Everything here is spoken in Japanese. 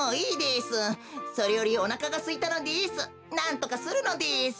なんとかするのです。